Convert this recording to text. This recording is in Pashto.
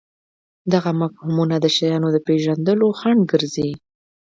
دغه مفهومونه د شیانو د پېژندلو خنډ ګرځي.